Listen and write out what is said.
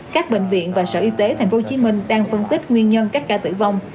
các bệnh viện và sở y tế thành phố hồ chí minh đang phân tích nguyên nhân các ca tử vong